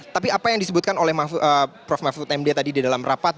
tapi apa yang disebutkan oleh prof mahfud md tadi di dalam rapat